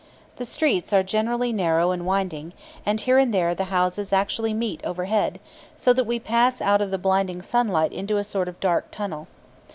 The streets are generally narrow and winding, and here and there the houses actually meet overhead, so that we pass out of the blinding sunlight into a sort of dark tunnel.